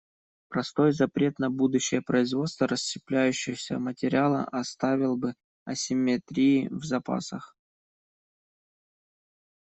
Простой запрет на будущее производство расщепляющегося материала оставил бы асимметрии в запасах.